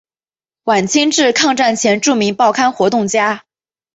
晚清至抗战前著名报刊活动家。